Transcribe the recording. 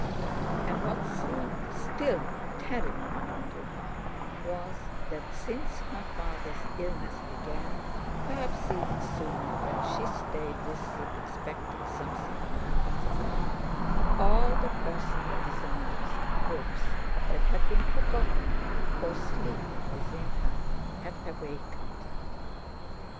And what seemed still more terrible to her was that since her father's illness began (perhaps even sooner, when she stayed with him expecting something to happen), all the personal desires and hopes that had been forgotten or sleeping within her had awakened.